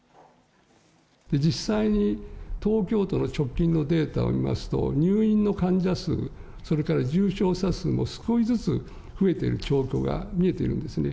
実際に東京都の直近のデータを見ますと、入院の患者数、それから重症者数も少しずつ増えている兆候が見えているんですね。